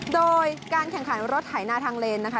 โดยการแข่งขันรถไถนาทางเลนนะคะ